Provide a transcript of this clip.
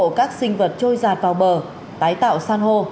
cứu hộ các sinh vật trôi rạt vào bờ tái tạo san hô